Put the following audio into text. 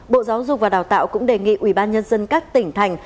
bộ giáo dục và đào tạo cũng đề nghị ủy ban nhân dân các tỉnh thành